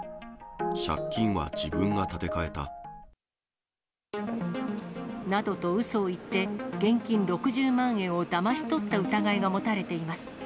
借金は自分が立て替えた。などとうそを言って、現金６０万円をだまし取った疑いが持たれています。